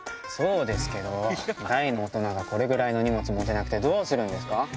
そうですけど大の大人がこれぐらいの荷物持てなくてどうするんですか？